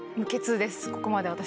ここまで私。